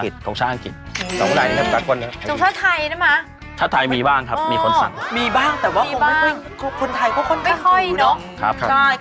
ต้องถามหน่อยว่าลายไหนที่ขายที่ดีซุดคนนิยมกันมาก